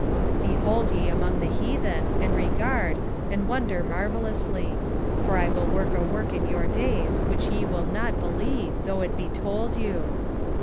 1:5 Behold ye among the heathen, and regard, and wonder marvelously: for I will work a work in your days which ye will not believe, though it be told you.